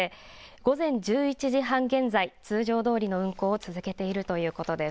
午前１１時半現在、通常どおりの運行を続けているということです。